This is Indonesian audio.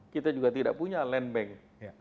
kita juga tidak punya land bank